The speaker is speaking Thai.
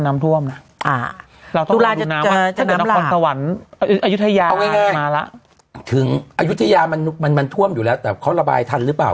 อายุทยามันมันมันมันถูกแล้วแต่เขาระบายทันรึเปล่า